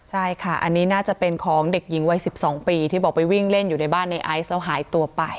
ใช่ค่ะอันนี้น่าจะเป็นของเด็กหญิงวัย๑๒ปีที่บอกไปวิ่งเล่นอยู่ในบ้านในไอซ์แล้วหายตัวไป